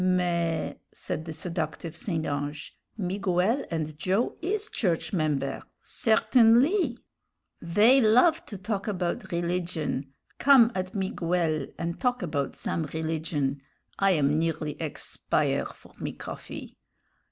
"Mais," said the seductive St. Ange, "Miguel and Joe is church member' certainlee! They love to talk about rilligion. Come at Miguel and talk about some rilligion. I am nearly expire for me coffee."